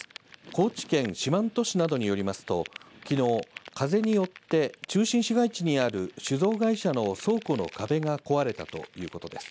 高知県四万十市などによりますと、きのう、風によって中心市街地にある酒造会社の倉庫の壁が壊れたということです。